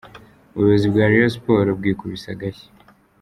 Ubuyobozi bwa Rayon sports bwikubise agashyi.